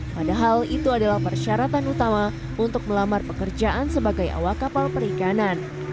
padahal itu adalah persyaratan utama untuk melamar pekerjaan sebagai awak kapal perikanan